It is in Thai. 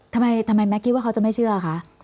ทำไมแม็กซคิดว่าเขาจะไม่เชื่อคะ